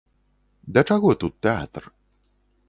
Да чаго тут тэатр?